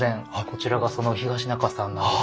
こちらがその東仲さんなんです。